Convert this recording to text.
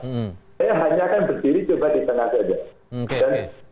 saya hanya kan berdiri coba disengaja aja